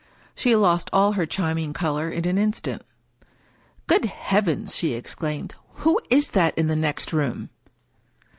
She lost all her charm ing color in an instant. " Good heavens !" she exclaimed. " Who is that in the next room